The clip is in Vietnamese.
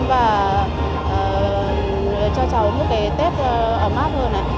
và cho cháu một cái tết ấm áp hơn